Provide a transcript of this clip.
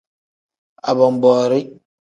Abonboori.